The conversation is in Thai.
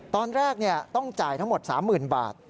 ตอนแรกต้องจ่ายทั้งหมด๓๐๐๐บาท